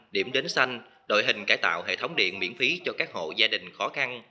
điểm đến xanh đội hình cải tạo hệ thống điện miễn phí cho các hộ gia đình khó khăn